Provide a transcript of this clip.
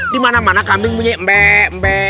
dimana mana kambing bunyi beee